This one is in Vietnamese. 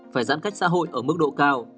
phải giãn cách xã hội ở mức độ cao